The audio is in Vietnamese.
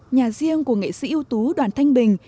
nhà riêng của nghệ sĩ ưu tú đoàn thanh bình